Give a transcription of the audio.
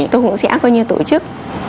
tôi cũng sẽ tổ chức